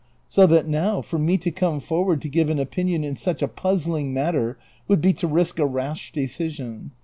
So that now, for me to come forward to give an opinion in* such a puz zling nmtter, would be to risk a rash decision.